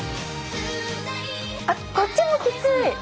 あっこっちもきつい！